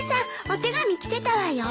お手紙来てたわよ。